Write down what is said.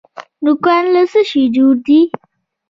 نوکان له څه شي جوړ دي؟